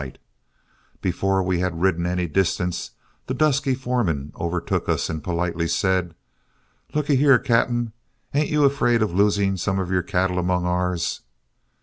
But before we had ridden any distance, the dusky foreman overtook us and politely said, "Look ee here, Cap'n; ain't you all afraid of losin' some of your cattle among ours?"